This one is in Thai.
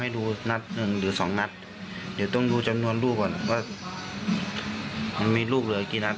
แดนครับ๒นิ้ว